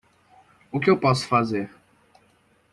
O que eu posso fazer?